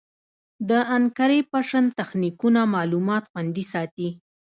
د انکریپشن تخنیکونه معلومات خوندي ساتي.